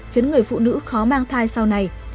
khiến người phụ nữ khó mang thai sau này